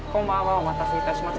お待たせいたしました。